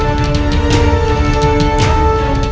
kau akan menang